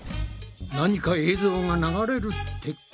何か映像が流れるってことか？